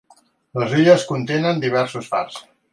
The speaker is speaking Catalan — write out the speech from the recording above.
Les illes contenen diversos fars.